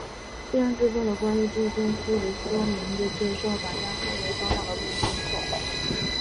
虽然制作了关于这件事的说明的介绍板但后来遭到了不明破坏。